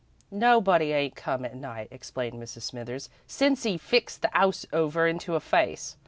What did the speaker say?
"Nobody ain't come at night," explained Mrs. Smithers, "since 'e fixed the 'ouse over into a face.